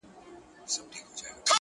کله هسک ته کله ستورو ته ختلای!